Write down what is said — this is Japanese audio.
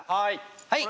はい！